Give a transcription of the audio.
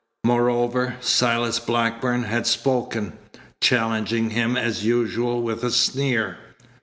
Moreover, Silas Blackburn had spoken, challenging him as usual with a sneer.